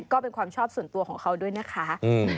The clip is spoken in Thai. ก็เป็นความชอบส่วนตัวของเขาด้วยนะคะ